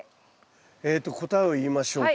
えと答えを言いましょうか。